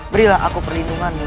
berilah aku perlindunganmu